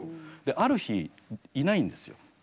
ある日いないんですよ。